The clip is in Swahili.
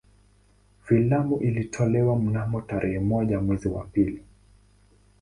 Filamu ilitolewa mnamo tarehe moja mwezi wa pili